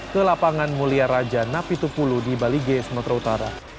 ke lapangan mulia raja napitupulu di balige sumatera utara